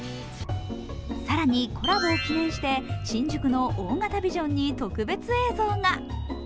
更に、コラボを記念して新宿の大型ビジョンに特別映像が。